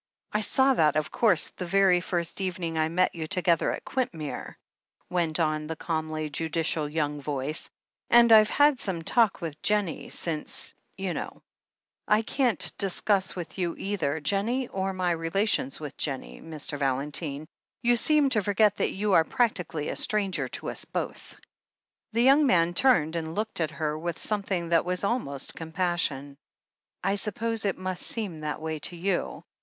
"I saw that, of course, the very first evening I met you together at Quintmere," went on the calmly judicial young voice. "And Fve had some talk with Jennie since, you know." "I can't discuss with you either Jennie or my rela tions with Jennie, Mr. Valentine. You seem to forget that you are practically a stranger to us both." The young man turned and looked at her with some thing that was almost compassion. "I suppose it must seem that way to you.